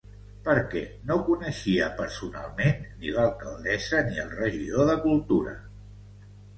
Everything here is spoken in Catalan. Perquè no coneixia personalment ni l'alcaldessa ni el regidor de Cultura.